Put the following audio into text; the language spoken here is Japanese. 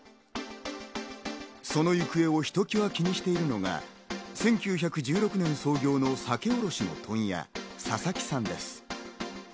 その行方をひときわ気にしているのが１９１６年創業の酒卸の問屋、佐々木さんです。